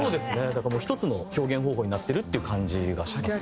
だからもう一つの表現方法になってるっていう感じがしますね。